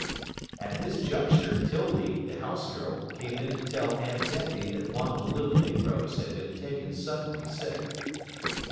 At this juncture, 'Tildy, the house girl, came in to tell Aunt Tempy that one of the little negroes had been taken suddenly sick.